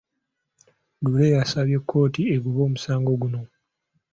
Lure yasabye kkooti egobe omusango guno.